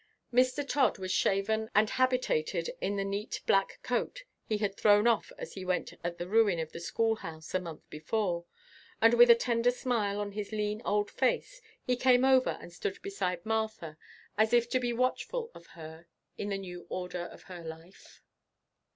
Mr. Todd was shaven and habitated in the neat black coat he had thrown off as he went at the ruin of the schoolhouse a month before, and with a tender smile on his lean old face he came over and stood beside Martha, as if to be watchful of her in the new order of her life.